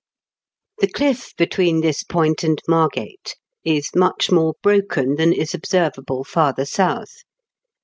The cliff between this point and Margate is much more broken than is observable farther south.